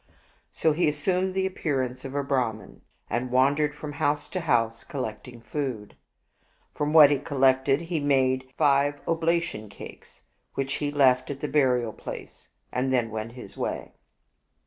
So he assumed the appearance of a Brahman, and wandered from house to house collecting food. From what he collected he made five oblation cakes, which he left at the burial place, and then went his way.